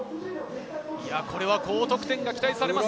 高得点が期待されます。